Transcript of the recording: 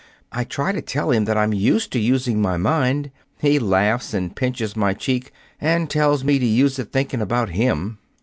I try to tell him that I'm used to using my mind. He laughs and pinches my cheek and tells me to use it thinking about him."